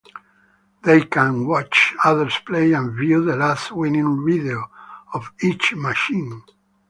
They can watch others play and view the last winning video of each machine.